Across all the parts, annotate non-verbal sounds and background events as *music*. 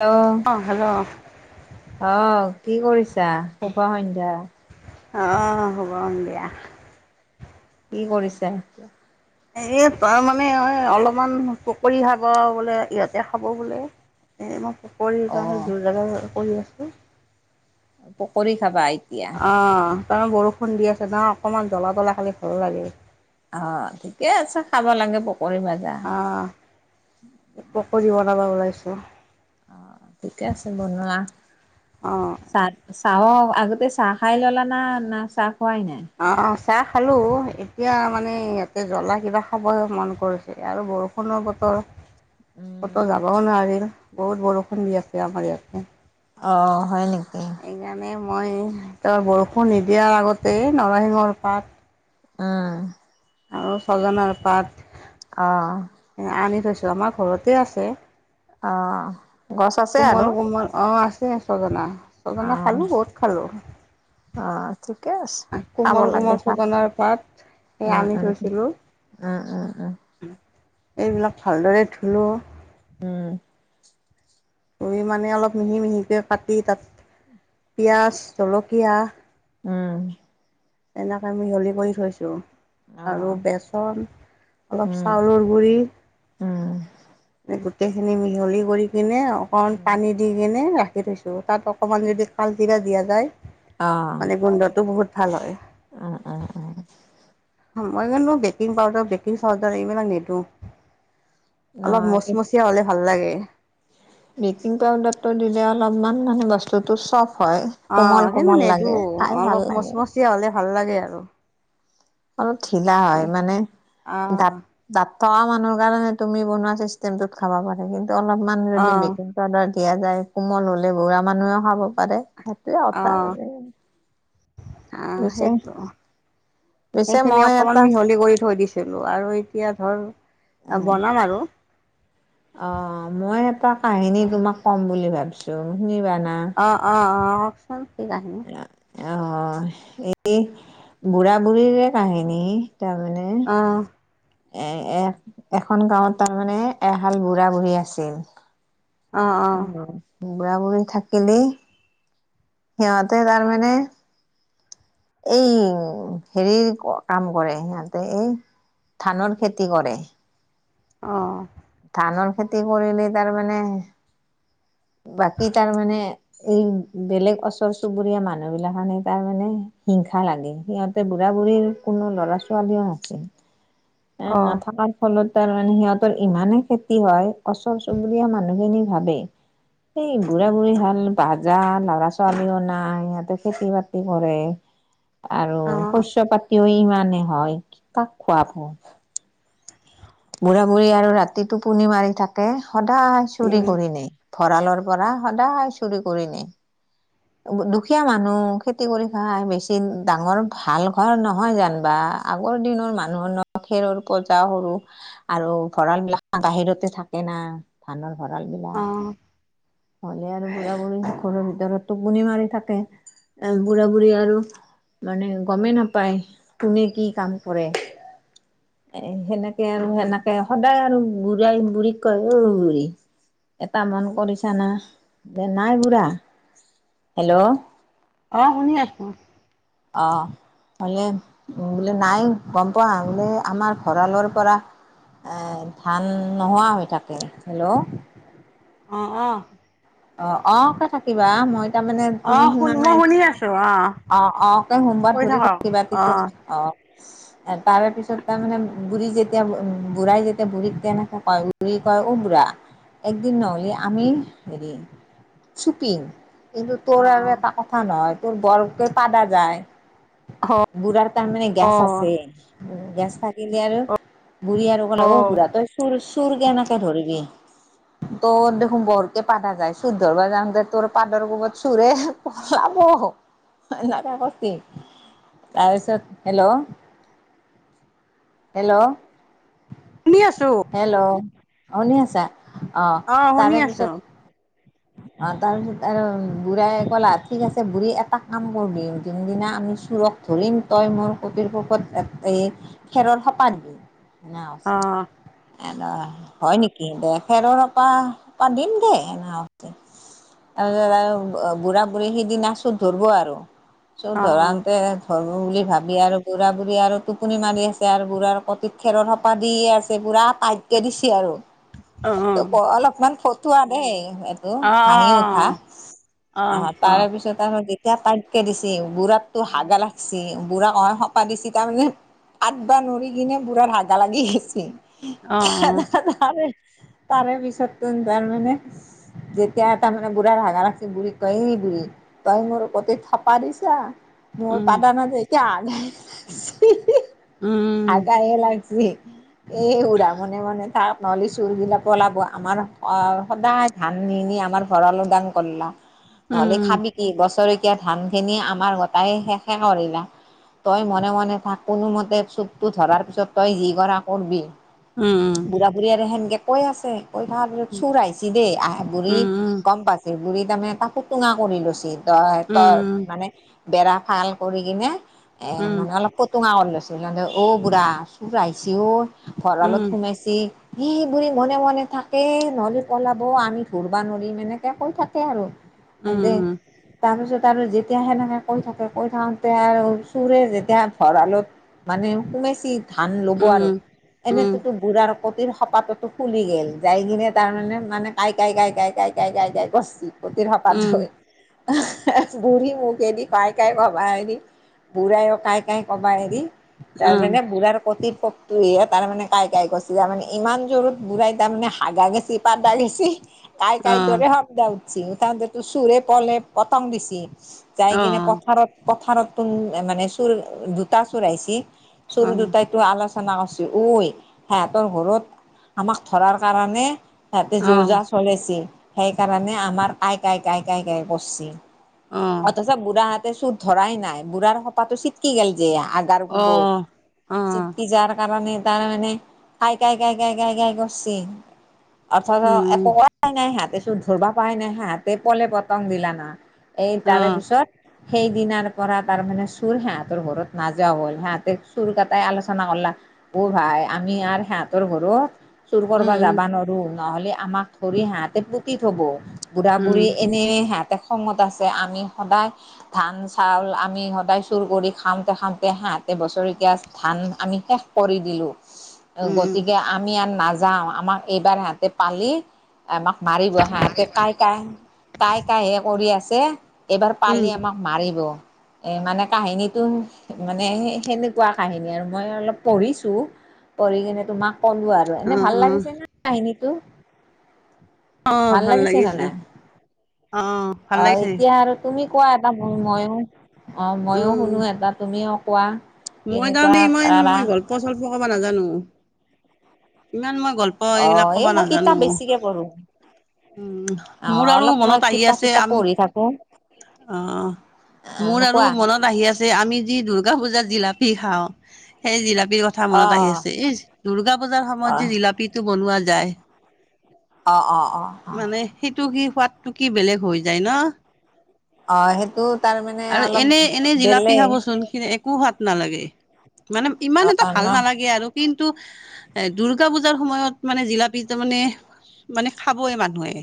অ'। অ', হেল্ল'? আহ কি কৰিছা? শুভ সন্ধ্যা। অ', শুভ সন্ধ্যা। কি কৰিছা? এ তাৰ মানে এওঁ অলপমান পকৰী খাব বোলে ইহঁতে ইয়াতে খাব বোলে। এই মই পকৰী অ কাৰনে যোৰ জাগাৰ কৰি আছোঁ। পকৰি খাবা? এতিয়া অ', তাৰমানে বৰষুণ দি আছে ন' অকণমান জ্বলা তলা খালি ভাল লাগে। অ', ঠিকে আছে খাব লাগে পকৰী মাজে আহ, পকৰি বনাব ওলাইছোঁ। অ', ঠিকে আছে বনোৱা অ চাহ চাহ অ', আগতে চাহ খাই ল'লা না না চাহ খোৱাই নাই? অ', চাহ খালো এতিয়া মানে ইয়াতে জ্বলা কিবা খাবহে মন কৰিছে আৰু বৰষুণ বৰষুণৰ বতৰ কতো উম, যাবও নোৱাৰিল বহুত বৰষুণ দি আছে আমাৰ ইয়াতে। অ', হয় নেকি? সেইকাৰণে মই ত' বৰষুণ নিদিয়াৰ আগতেই নৰসিংহৰ পাত উম। আৰু ছজনাৰ পাত। অ'। আনি থৈছোঁ আমাৰ ঘৰতে আছে। অ গছ আছে কোমল আৰু কোমল অ' *unintelligible* ছজনা অ ছজনা খালোঁ বহুত খালোঁ। অ, ঠিকে আছে খাব কোমল লাগে কোমল ভাল ছজনাৰ পাত এই উম, আনি উম, উম। থৈছিলোঁ উম, উম, উম। এইবিলাক ভালদৰে ধুলোঁ। উম। ধুই মানে অলপ মিহি মিহিকৈ কাটি তাত পিঁয়াজ জলকীয়া উম। তেনেক মিহলি কৰি থৈছোঁ উম অ আৰু বেচন অলপ উম চাউলৰ গুৰি। উম এইগোটেইখিনি মিহলি কৰি কিনে আৰু অকণমান উম পানী দি কিনে ৰাখি থৈছোঁ, তাত অকণমান যদি কালজিৰা দিয়া যায়। অ'। মানে গোন্ধটো বহুত ভাল হয়। উম, উম, উম। মই কিন্তু বেকিং পাউদাৰ বেকিং চাউদাৰ এইবিলাক নিদো অলপ নহয় মচমচি য়া হ'লে ভাল লাগে। বেকিং পাউদাৰটো দিলে অলপমান মানে বস্তুটো চফ্‌ট হয়। কোমল অঁ কোমল সেইমানে এইটো লাগে খাই ভাল অলপ লাগে মচমচীয়া হলে ভাল লাগে আৰু। অলপ ঢিলা হয় এই মানে অঁ দাত- দাঁত থকা মানুহৰ কাৰণে তুমি বনোৱা চিষ্টেমটোত খাবা পাৰে কিন্তু অলপ মান যদি অঁ বেকিং- পাউদাৰ দিয়া যায় কোমল হলে বুঢ়া মানুহেও খাব পাৰে সেইটোৱে কথা অঁ মানে। অঁ পিছে সেইটো। পিছে সেইখিনি মই অকমান এটা মিহলি কৰি থৈ দিছিলো আৰু এতিয়া ধৰ- বনাম আৰু। অঁ মই এটা কাহিনী তোমাক কম বুলি ভাবিছো শুনিবানা? অঁ অঁ অঁ কওকচোন কি কাহিনি। অঁ সেই বুঢ়া বুঢ়ীৰে কাহিনী তাৰমানে। এঁহ। অঁ এ এহ এখন গাঁৱত তাৰমানে এহাল বুঢ়া বুঢ়ী আছিল। অঁ বুঢ়া বুঢ়ী থাকিলেই সিহঁতে তাৰমানে- এই হেৰিৰ কাম কৰে সিহঁতে এই ধানৰ খেতি কৰে। অঁ' ধানৰ খেতি কৰিলে তাৰমানে- বাকী তাৰ মানে- এই বেলেগ ওচৰ চুবুৰীয়া মানুহ বিলাকৰ তাৰ মানে হিংসা লাগে সিহত- তে বুঢ়া বুঢ়ীৰ কোনো ল'ৰা ছোৱালীও নাছিল এ অঁ নাথাকাত- ফলত তাৰ মানে সিহঁতৰ ইমানেই ক্ষতি হয় ওচৰ চুবুৰীয়া মানুহখিনি ভাবে- সেই বুঢ়া বুঢ়ী হাল বাজা লৰা ছোৱালীও নাই সিহঁতে খেতি বাতি কৰে- আৰু অঁ শস্য পাতিও ইমানেই হয় কাক খোৱাব। বুঢ়া বুঢ়ী আৰু ৰাতি টোপনি মাৰি থাকে সদায় চুৰি উম কৰি নেই। ভঁৰালৰ পৰা সদায় চুৰি কৰি নিয়ে। দুখীয়া মানুহ খেতি কৰি খাই বেছি ডাঙৰ ভাল ঘৰ নহয় যেনবা। আগৰ দিনৰ মানুহৰ ন খেৰৰ পজা সৰু- আৰু ভঁৰাল বিলাক বাহিৰতে থাকে না ধানৰ ভঁৰাল বিলাক। অঁ হলে আৰু বুঢ়া বুঢ়ী ঘৰৰ ভিতৰত টোপনি মাৰি থাকে এ বুঢ়া বুঢ়ী আৰু- মানে গমেই নাপায় কোনে কি কাম কৰে। এ সেনেকে আৰু সেনেকে সদায় আৰু বুঢ়াই বুঢ়ীক কয় অও বুঢ়ী- এটা মন কৰিছানা যে নাই বুঢ়া। হেল্ল' অঁ শুনি আছো। অঁ' হলে বোলে নাই গম পোৱা বোলে আমাৰ ভঁৰালৰ পৰা- এ ধান নোহোৱা হৈ থাকে। হেল্ল' অঁ অঁ' অঁ অঁ কই থাকিবা মই তাৰমানে তুমি অঁ শুন শুনা মই নাই- শুনি আছোঁ অঁ অঁ কে সোমবাত কৈ ধৰি থাকক থাকিবা তেতিয়াহে, অঁ অঁ' তাৰে পিছত তাৰমানে বুঢ়ী যেতিয়া বুঢ়াই যেতিয়া বুঢ়ীক তেনেকে কয় বুঢ়ী কয়, অ বুঢ়া- একদিন নহলে আমি- হেৰি চুপিং কিন্তুু তোৰ অঁ আৰু এটা কথা নহয়- তোৰ বৰফকে পাদা যায়, অঁ বুঢ়াৰ তাৰ মানে গেছ অঁ আছে। গেছ থাকিলে আৰু বুঢ়ী আৰু ক'লে অ অঁ বুঢ়া তয়- চোৰ চোৰ কেনেকে ধৰিবি তই দেখোন বৰ- যে পাদা যায় চোৰ ধৰব যাওঁতে তোৰ পাদৰ গোবত চোৰে পলাব *unintelligible* তাৰপিছত হেল্ল হেল্ল' শুনি আছো। হেল্ল' শুনি আছা অ অঁ শুনি তাৰে পিছত আছোঁ অ তাৰপিছত আৰু বুঢ়াই ক'লা ঠিক আছে বুঢ়ী এটা কাম কৰো দে যোনদিনা আমি চোৰক ধৰিম তই মোৰ *unintelligible* সোপত এই খেৰৰ সপা দিবি অঁ *unintelligible* এ ন হয় নেকি দে খেৰৰ সোপা পা দিম দে ন তাৰপাছত আৰু বুঢ়া-বুঢ়ী সিদিনা চোৰ ধৰব আৰু। চোৰ অঁ ধৰাংতে হ'ব বুলি ভাবি আৰু বুঢ়া বুঢ়ী আৰু টোপনি মাৰি আছে আৰু বুঢ়াৰ কতি খেৰৰ স- পদিয়ে আছে পুৰা পা কে দিছে আৰু অঁ অঁ অঁ ত ক অলপমান ফটোৱা দেই। কে হাঁহি উঠা অঁ অঁ আহ অঁ অঁ তাৰপিছত আৰু যেতিয়া তাই- কে দিছে বুঢ়াটো হাগা লাগছি বুঢ়া অই হ পাদিছে তাৰমানে আঠবা নৰি কিনে বুঢ়াৰ হাগা লাগি গইছে। এহে অঁ এহে তাৰে তাৰে পিছত তোন তাৰ মানে যেতিয়া তাৰ মানে বুঢ়াৰ হাগা লাগছি বুঢ়ীক কয় এ বুঢ়ী তই মোৰ কতে থপা দিছা। মই উম পাদা নায় যে এতিয়া হি হি উম হাগাই লাগ ৰি এ বুঢ়া মনে মনে চাক নলি চোৰ বিলাক ওলাব আমাৰ অ সদায় ধান নি নি আমাৰ ভৰাল উদাং কৰলা উম নহলে খাবি কি বছৰে এতিয়া ধানখিনি আমাৰ গোটাই শেষে কৰিলা তই মনে মনে তাক কোনোমতে চোপটো ধৰাৰ পিছত তই যি কৰা কৰবি উম বুঢ়া-বুঢ়ী আৰু সেনেকে কৈ আছে কৈ থাকাৰ পিছত চোৰ আহিছি দেই আহ বুঢ়ী উম গম পাইছে বুঢ়ী তাৰমানে তাকো টুঙা কৰি লৈছি তই উম তৰ উম মানে বেৰা ফাল কৰি কিনে এ উম উম মানে অলপ টুঙা কৰি লৈছিল সিহন্তে অ বুঢ়া চোৰ আহিছে অ ভঁৰালত উম সোমাইছে। এ বুঢ়ী মনে মনে থাক এ নহলি পলা- অ আমি ধৰবা নোৰিম এনেকে কৈ থাকে আৰু হেন্তে তাৰপিছত আৰু যেতিয়া সেনেকে কৈ থাকে কৈ থাকোতে আৰু চোৰে যেতিয়া ভঁৰালত মানে সুমাইচি ধান ল'ব উম আৰু এনেতেতো বুঢ়াৰ কতিৰ সপাততো ফুলি গেল যাই কিনে তাৰমানে মানে কাই কাই কাই কাই কাই কাই কাই কাই বচ গটেৰ সপা উম উম থৈ এহ হে বুঢ়ী মোখেদি পাই কাই কবা এৰি বুঢ়াইও কাই কাই কবা এৰি উম তাৰমানে বুঢ়াৰ কটিত দিয়ে তাৰ মানে কাই কাই কৈছে তাৰ মানে ইমান জোৰত বুঢ়াই তামানে হাগা গেছি পাদা গেছি ইহ কাই কাই অঁ দৰে শব্দ উঠছি তাৰপাছততো চোৰে পলে পতং দিছি যাই অঁ কিনে পথাৰত পথাৰতো মানে চোৰ দুটা চোৰ আহিছি চোৰ অঁ অঁ দুটাই টো আলোচনা কৰিছো ঐ সিহঁতৰ ঘৰত আমাক ধৰাৰ কাৰণে সে- যোৰ যা অ', চলিছিল সেইকাৰণে আমাৰ কাই কাই কাই কাই কাই কছিল অ', অথচ বুঢ়াহাতে চোৰ ধৰাই নাই বুঢ়াৰ সোপাটো চিটকি গ'ল যে আ তাৰ কোবত অ', অ', চিটকি যোৱাৰ কাৰণে তাৰ মানে কাই কাই কাই কাই কাই কাই কৰছি একোই উম, কোৱাই নাই, হিহতে চোৰ ধৰিবা পাই নাই, হিহঁতে পলে পতং দিলা না। এই তাৰে অ', পিছত, সেই দিনাৰ পৰা তাৰ মানে চোৰ সিহঁতৰ ঘৰত নাযোৱা হ'ল, সিহঁতে চোৰ কটাই আলোচনা কৰলা অ ভাই আমি আৰ সিহতৰ ঘৰত, চুৰ কৰবা উম, যাবা নোৱাৰো, নহলে আমাক ধৰি সিহতে পুতি থব। বুঢ়া উম, বুঢ়ী এনে সিহঁতে খঙত আছে, আমি সদায়- ধান চাউল আমি সদায় চুৰ কৰি খাওঁতে খাওঁতে সিহতে বছৰেকীয়া- ধান আমি শেষ কৰি দিলোঁ। উম, গতিকে আমি আৰু নাযাওঁ, আমাক এইবাৰ সিহঁতে পালি, আমাক মাৰিব। সিহতে কাই কাই, কাই কাই হে কৰি আছে। এইবাৰ পালি উম, আমাক মাৰিব। মানে কাহিনীটো মানে সেনেকুৱা কাহিনী আৰু মই অলপ পঢ়িছোঁ। পঢ়ি কিনে তোমাক কলো আৰু। অ', এনে ভাল লাগিছে অ', নে কাহিনীটো? ভাল লাগিছে নে নাই? ভাল অ লাগিছে। এতিয়া আৰু- তুমি কোৱা এটা ম ময়ো, অ ময়ো উম, শুনো এটা তুমিও কোৱা। মই কেনেকুৱা তাৰমানে ইমান পাৰা মই গল্প চল্প কব নাজানো। ইমান মই গল্প- হয় অ এইবিলাক এই ক'ব মই কিতাপ নাজানো। বেছিকে পঢ়ো উম অ মোৰ আৰু অলপ মই মনত আহি কিতাপ আছে চিতাপ আম- পঢ়ি থাকো অ। মোৰ আৰু কোৱা মনত আহি আছে। যে আমি যি দ দুৰ্গা পূজাত জিলাপি খাওঁ। সেই জিলাপিৰ কথা কথা অ মনত আহি আছে। ই দুৰ্গা পূজাৰ অ সময়ত যে জিলাপিটো বনোৱা যায়। অ অ অ অ। মানে সেইটো কি সোৱাদটো কি বেলেগ হৈ যায় ন? অ সেইটো তাৰমানে আৰু অলপ এনে এনে জিলাপি বেলেগ খাবচোন- একো সোৱাদ নালাগে। মানে ইমান এটা অ ন ভাল নালাগে আৰু। কিন্তু এ দুৰ্গা পূজাৰ সময়ত মানে জিলাপিটো মানে- মানে খাবই মানুহে।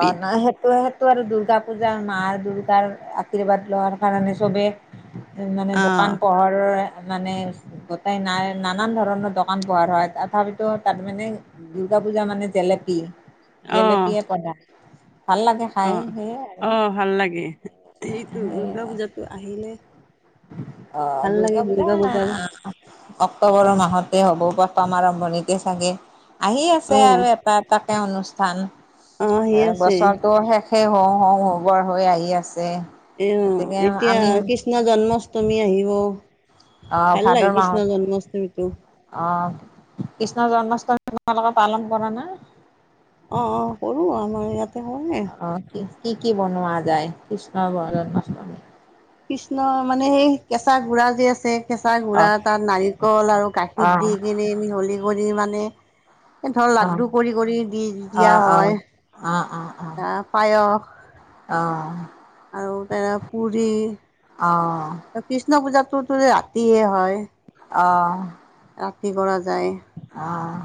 অ নাই সেইটোয়ে- ত আৰু দুৰ্গা পূজা মা দুৰ্গাৰ আশীৰ্বাদ লোৱাৰ কাৰণে চবেই মানে অ দোকান পোহাৰৰ, মানে গোটেই নাই নানান ধৰণৰ দোকান পোহাৰ হয়, তথাপিতো তাত মানে- দুৰ্গা পুজা মানে জেলেপি। অ জেলেপিয়ে পদা- অ, অ ভাল লাগে। এইটো দুৰ্গা সেই পূজাতো আহিলে, অ ভাল লাগে দুৰ্গা পুজা পূজাৰ অক্টোবৰৰ মাহতে হ'ব প্ৰথম আৰম্ভণিতে চাগে, আহি অ আছে আৰু এটা এটাকে অনুষ্ঠান। অ আহি এ আছে বছৰটো শেষ সেই হ‌ওঁ হওঁ হবৰ হৈ আহি আছে। এ গতিকে আমি এতিয়া- কৃষ্ণ জন্মাষ্টমী আহিব। আহ ভাল লাগে কৃষ্ণ জন্মাষ্টমীটো। অ কৃষ্ণৰ জন্মষ্টমী তোমালোকে পালন কৰা না? অঁ অঁ, কৰো আমাৰ ইয়াতে হয়। অ', কি কি বনোৱা যায় কৃষ্ণৰ ব জন্মাষ্টমীত? কৃষ্ণ মানে সেই কেঁচা গুড়া যে আছে, কেঁচা গুৰা, অ', তাত নাৰিকল আৰু গাখীৰ দি অ', কিনে মিহলি কৰি মানে, ধৰ অ', অ', অ'। লাড্ডু কৰি কৰি দি দিয়া অ', অ', হয় অ', অ', পায়স অ আৰু তে পুৰি অঁ ত কৃষ্ণ পূজাতটোতো ৰাতিয়ে হয় অ ৰাতি কৰা যায় আহ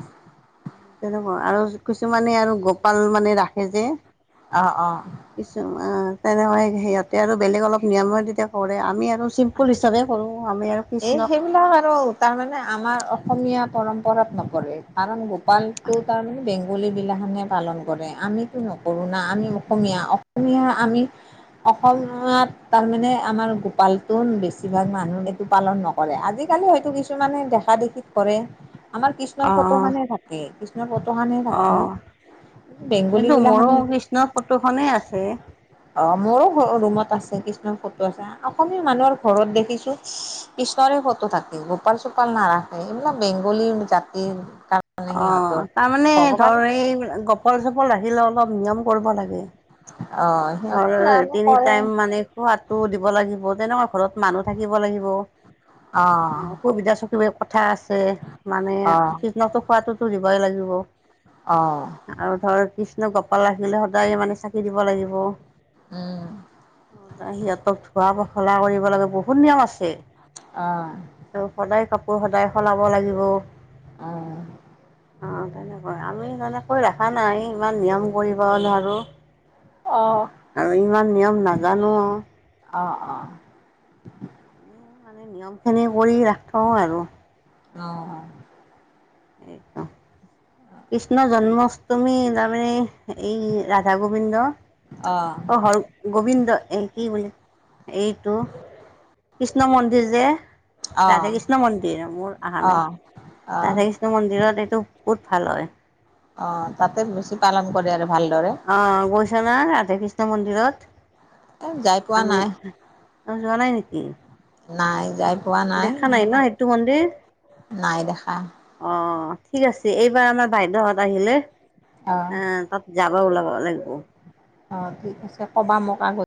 তেনেকুৱা আৰু কিছুমানে আৰু গোপাল মানে ৰাখে যে অ অ তেনেকুৱা ই সিহতে আৰু বেলেগ অলপ নিয়মে তেতিয়া কৰে আমি আৰু আৰু চিম্পুল হিচাপে কৰোঁ আমি আৰু এ কৃষ্ণক আৰু তাৰমানানে আমাৰ অসমীয়া পৰম্পৰাত নপৰে কাৰণ ৱান টো তান বেংগ বেংগলীবিলাকখনেহ পালন কৰে আমিতো নকৰোঁ না আমি অসমীয়া অসমীয়া আমি অসমত তাৰমানে আমাৰ গোপালটোন বেছিভাগ মানুহ পালন নকৰে আজিকালি হয়তো কিছুমানে দেখা দেখি কৰে আমাৰ অ কৃষ্ণৰ ফটো থা এ কৃষ্ণৰ ফটোখনে থাকে অ বেংগলী এইটো মোৰো বিলাখানে কৃষ্ণৰ ফটো খনে আছে অ মোৰো ঘ ৰুমত আছে কিছুমান ফটো আছে অসমীয়া মানুহৰ ঘৰত দেখিছো কৃষ্ণৰে ফটো থাকে গোপাল চোপাল নাৰাখে এইবিলাক বেংগলী জাতিৰ কাৰণে অঁ সিহঁতৰ তাৰমানে ভগৱান ধৰ এই গোপাল চোপাল ৰাখিলে অলপ নিয়ম কৰিব লাগে অ ধৰ সিহঁতে জানো তিনি কৰে টাইম মানে সোৱাদটো দিব লাগিব তেনেকুৱা ঘৰত মানুহ থাকিব লাগিব অ অ অসুবিধা চ কিবা কথা আছে মানে অ কৃষনক খোৱাতটোতো দিবই লাগিব অঁ আৰু ধৰ কৃষ্ণ গপাল ৰাখিলে সদায় মানে চাকি দিব লাগিব উ সিহঁতক ধোৱা পখলা কৰিব লাগে বহুত নিয়ম আছে অ আৰু সদায় কাপোৰ সদায় সলাব লাগিব আহ অঁ তেনেকৈ আমি তেনেকৈ ৰখা নাই ইমান নিয়ম কৰিব নোৱাৰোঁ অঁ আৰু ইমান নিয়ম নাজানো অ অ মানে নিয়মখিনি কৰি ৰাখোঁ আৰু অঁ কৃষ্ণ জন্মাষ্টমী তাৰমানে এই ৰাধা গোবিন্দ অ হৰ গো গোবিন্দ এই কি বুলি এইটো কৃষ্ণ মন্দিৰ যে অ অ ৰাধা কৃষ্ণ মন্দিৰ মোৰ অহা নাই অ ৰাধা কৃষ্ণ মন্দিৰত এইটো বহুত ভাল হয়। অ' তাতে বেছি পালন কৰে আৰু ভালদৰে। অ গৈছা না ৰাধা কৃষ্ণ মন্দিৰত এ যাই পোৱা আমি নাই অ যোৱা নাই নেকি নাই যাই দেখা নাই ন সেইটো মন্দিৰ নাই দেখা অ ঠিক আছে এইবাৰ আমাৰ বাইদেউহত আহিলে অ অ তাত যাব ওলাব লাগিব অ ঠিক আছে ক'বা মোক আগত